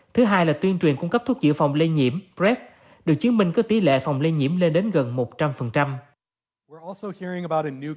thứ hai là tuyên truyền cung cấp thuốc dự phòng lây nhiễm prep được chứng minh có tỷ lệ phòng lây nhiễm lên đến gần một trăm linh